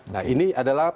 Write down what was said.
nah ini adalah